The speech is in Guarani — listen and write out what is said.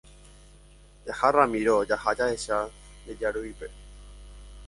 Jaha Ramiro, jaha jahecha nde jarýipe.